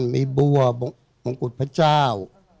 มองกุฎพระเจ้า